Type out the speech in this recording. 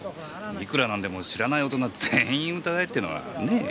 いくら何でも知らない大人全員疑えってのはねえ？